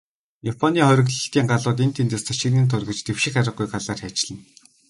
Японы хориглолтын галууд энд тэндээс тачигнан тургиж, давших аргагүй галаар хайчилна.